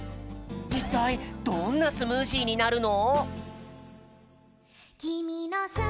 いったいどんなスムージーになるの！？